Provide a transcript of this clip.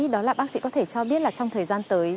đó là bác sĩ có thể cho biết là trong thời gian tới